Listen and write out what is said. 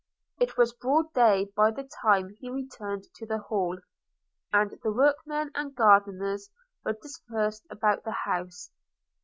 It was broad day by the time he returned to the Hall, and the workmen and gardeners were dispersed about the house.